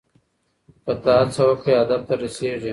که ته هڅه وکړې هدف ته رسیږې.